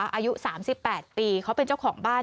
อายุ๓๘ปีเขาเป็นเจ้าของบ้าน